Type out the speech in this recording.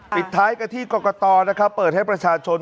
ปิดท้ายกับที่กรกฎเปิดให้ประชาชน